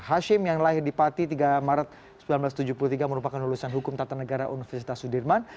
hashim yang lahir di pati tiga maret seribu sembilan ratus tujuh puluh tiga merupakan lulusan hukum tata negara universitas sudirman